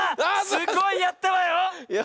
すごいやったわよ！